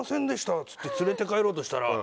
っつって連れて帰ろうとしたら。